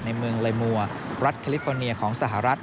ในเมืองเลยมัวรัฐแคลิฟอร์เนียของสหรัฐ